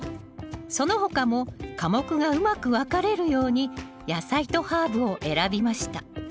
その他も科目がうまく分かれるように野菜とハーブを選びました